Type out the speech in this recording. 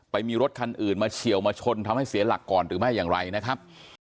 ไปมีรถคันอื่นมาเฉียวมาชนทำให้เสียหลักก่อนหรือไม่อย่างไรนะครับ